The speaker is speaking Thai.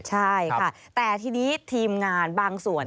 ใช่ค่ะแต่ทีนี้ทีมงานบางส่วน